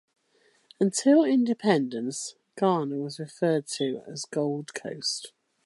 Until independence, Ghana was referred to as Gold Coast.